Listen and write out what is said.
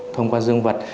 thông qua dương vật